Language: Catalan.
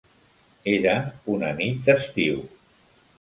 Era una nit d'estiu.